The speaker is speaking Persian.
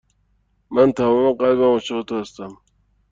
من تمام قلبم عاشق تو هستم.